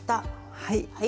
はい。